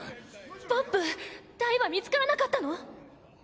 ポップダイは見つからなかったの？